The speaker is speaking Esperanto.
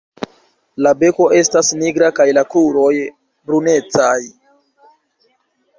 La beko estas nigra kaj la kruroj brunecaj.